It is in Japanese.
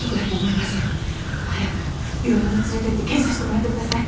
早く病院に連れてって検査してもらってください。